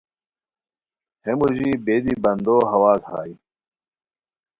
ہے موژی بیری بندو ہواز ہائے